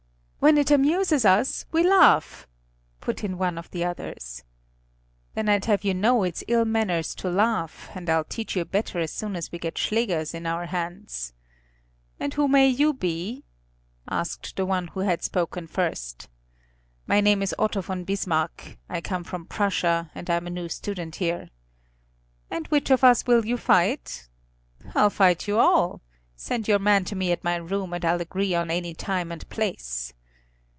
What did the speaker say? "When it amuses us we laugh," put in one of the others. "Then I'd have you know it's ill manners to laugh, and I'll teach you better as soon as we get schlägers in our hands." "And who may you be?" asked the one who had spoken first. "My name is Otto von Bismarck. I come from Prussia, and I'm a new student here." "And which of us will you fight?" "I'll fight you all. Send your man to me at my room, and I'll agree on any time and place."